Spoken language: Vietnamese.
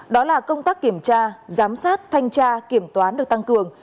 đó là công tác kiểm tra giám sát thanh tra kiểm toán được tăng cường